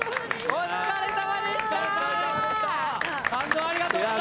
お疲れさまでした。